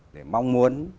để mong muốn